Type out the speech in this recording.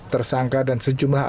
tersangka dan sejumlahnya